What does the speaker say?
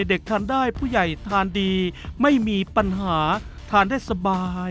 เด็กทานได้ผู้ใหญ่ทานดีไม่มีปัญหาทานได้สบาย